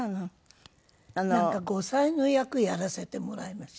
なんか後妻の役やらせてもらいました。